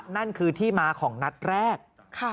นั่นคือที่มาของนัดแรก